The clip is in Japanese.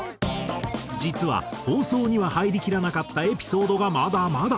実は放送には入りきらなかったエピソードがまだまだ。